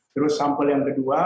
terus sampel yang kedua